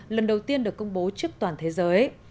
lần đầu tiên được công bố trước toàn thế giới